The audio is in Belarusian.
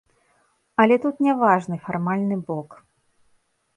Але тут не важны фармальны бок.